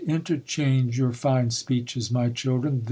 interchange ycur fine speeches, my children